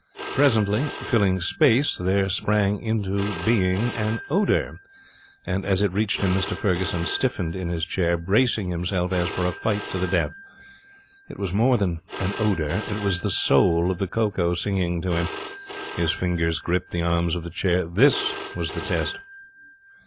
Presently, filling Space, there sprang into being an Odour; and as it reached him Mr Ferguson stiffened in his chair, bracing himself as for a fight to the death. It was more than an odour. It was the soul of the cocoa singing to him. His fingers gripped the arms of the chair. This was the test.